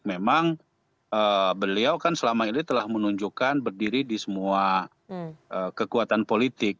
memang beliau kan selama ini telah menunjukkan berdiri di semua kekuatan politik